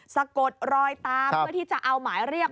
สะกดรอยตามเพื่อที่จะเอาหมายเรียก